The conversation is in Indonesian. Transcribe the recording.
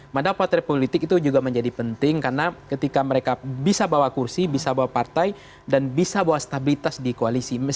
modal partai politik itu juga menjadi penting karena ketika mereka bisa bawa kursi bisa bawa partai dan bisa bawa stabilitas di koalisi